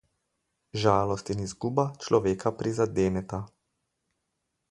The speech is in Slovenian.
Žalost in izguba človeka prizadeneta.